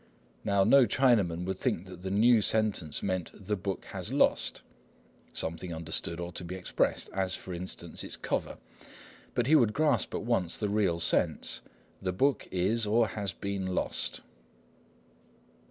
No Chinaman would think that the new sentence meant "The book has lost"—something understood, or to be expressed, as for instance its cover; but he would grasp at once the real sense, "The book is or has been lost."